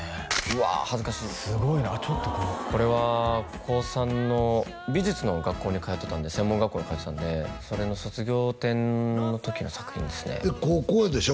恥ずかしいすごいなちょっとこうこれは高３の美術の学校に通ってたんで専門学校に通ってたんでそれの卒業展の時の作品ですね高校でしょ